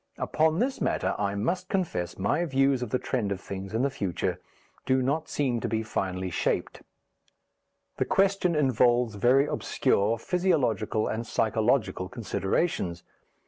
Upon this matter I must confess my views of the trend of things in the future do not seem to be finally shaped. The question involves very obscure physiological and psychological considerations.